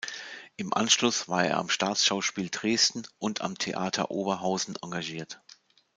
Im Anschluss war er am Staatsschauspiel Dresden und am Theater Oberhausen engagiert.